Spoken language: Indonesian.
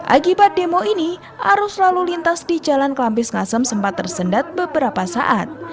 akibat demo ini arus lalu lintas di jalan kelampis ngasem sempat tersendat beberapa saat